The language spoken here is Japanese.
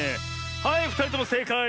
はいふたりともせいかい！